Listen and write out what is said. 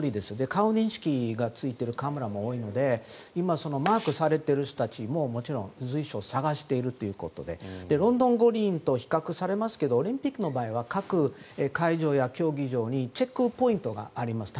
顔認識がついているカメラも多いので今、マークされている人たちももちろん随所捜しているということでロンドン五輪と比較されますけどオリンピックの場合は各会場や競技場にチェックポイントがあります。